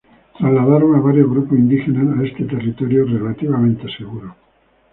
Trasladaron a varios grupos indígenas a este territorio relativamente seguro.